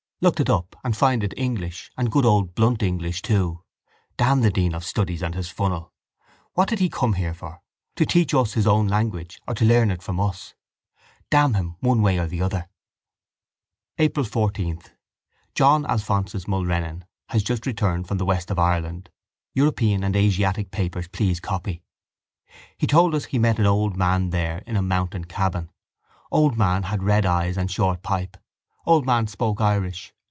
I looked it up and find it English and good old blunt English too. Damn the dean of studies and his funnel! What did he come here for to teach us his own language or to learn it from us. Damn him one way or the other! April 14. John Alphonsus Mulrennan has just returned from the west of Ireland. European and Asiatic papers please copy. He told us he met an old man there in a mountain cabin. Old man had red eyes and short pipe. Old man spoke Irish.